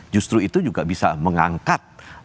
justru itu juga bisa mengangkat